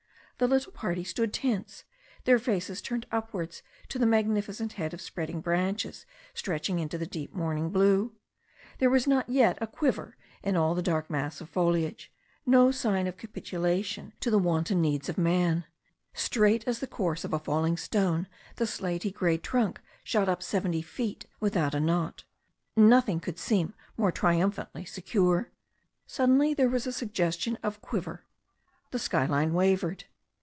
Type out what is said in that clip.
The little party stood tense, their faces turned upwards to the magnificent head of spreading branches stretched into the deep morning blue. There was not yet a quiver in all the dark mass of foliage, no sign of capitulation to the wan THE STORY OF A NEW ZEALAND RIVER 59 ton needs of man. Straight as the course of a falling stone the slaty grey trunk shot up seventy feet without a knot. Nothing could seem more triumphantly secure. Suddenly there was a suggestion of quiver. The sky line wavered.